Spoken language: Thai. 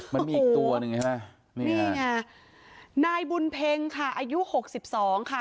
มันมีอีกตัวหนึ่งใช่ไหมนี่ไงนายบุญเพ็งค่ะอายุหกสิบสองค่ะ